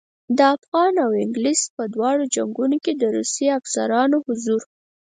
د افغان او انګلیس په دواړو جنګونو کې د روسي افسرانو حضور.